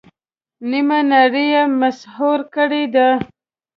نیمه نړۍ یې مسحور کړې ده.